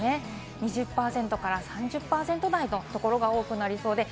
２０％から３０％台のところが多くなりそうです。